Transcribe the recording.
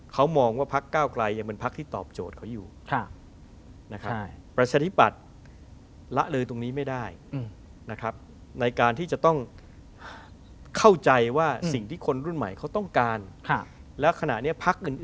เขามองว่าพัคก้าวกลาย